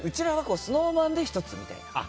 ＳｎｏｗＭａｎで１つみたいな。